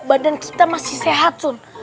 badan kita masih sehat sun